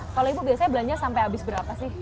kalau ibu biasanya belanja sampai habis berapa sih